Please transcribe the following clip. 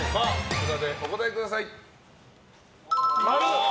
札でお答えください。